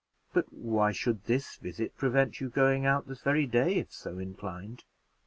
"But why should this visit prevent you going out this very day, if so inclined?"